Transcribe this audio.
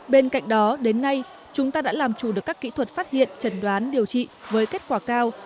bên cạnh đó đến nay chúng ta đã làm chủ được các kỹ thuật phát hiện trần đoán điều trị với kết quả cao